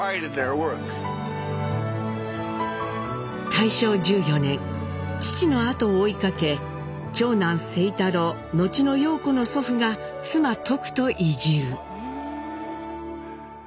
大正１４年父の後を追いかけ長男清太郎後の陽子の祖父が妻トクと移住。